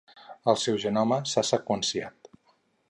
El seu genoma s'ha seqüenciat.